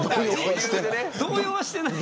動揺はしてない。